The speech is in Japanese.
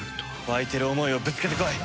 沸いてる思いをぶつけてこい！